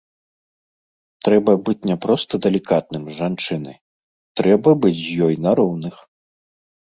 Трэба быць не проста далікатным з жанчынай, трэба быць з ёй на роўных.